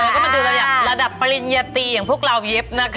ก็มาดูระดับปริญญาตีอย่างพวกเราเย็บนะคะ